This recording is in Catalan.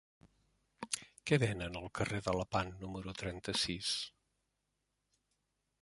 Què venen al carrer de Lepant número trenta-sis?